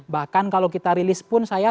bahkan kalau kita rilis pun saya